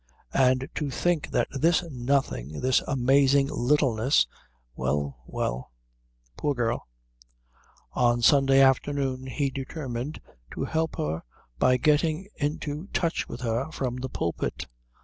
And to think that this nothing, this amazing littleness well, well; poor girl. On the Sunday afternoon he determined to help her by getting into touch with her from the pulpit.